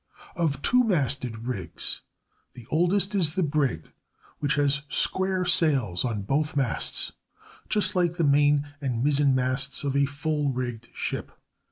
Of two masted rigs, the oldest is the brig, which has square sails on both masts, just like the main and mizzen masts of a full rigged ship.